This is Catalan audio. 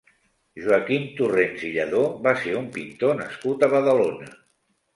Joaquim Torrents i Lladó va ser un pintor nascut a Badalona.